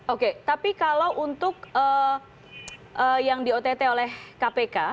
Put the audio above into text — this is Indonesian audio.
oke tapi kalau untuk yang di ott oleh kpk